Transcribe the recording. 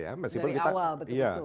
dari awal betul betul ya